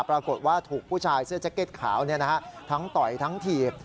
ปรากฏว่าถูกผู้ชายเสื้อแจ็คเก็ตขาวทั้งต่อยทั้งถีบ